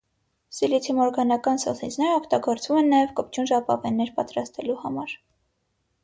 Սիլիցիումօրգանական սոսինձները օգտագործվում են նաև կպչուն ժապավեններ պատրաստելու համար։